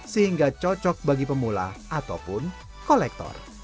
sehingga cocok bagi pemula ataupun kolektor